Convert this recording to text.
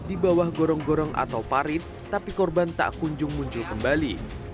di bawah gorong gorong atau parit tapi korban tak kunjung muncul kembali